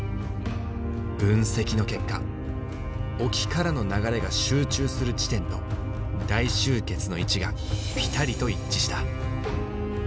分析の結果沖からの流れが集中する地点と大集結の位置がぴたりと一致した。